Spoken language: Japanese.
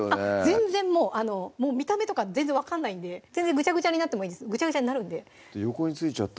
全然もう見た目とか全然分かんないんで全然ぐちゃぐちゃになってもいいぐちゃぐちゃになるんで横に付いちゃった